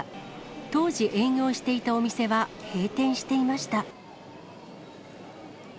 当時、営業していたお店は、閉店していました。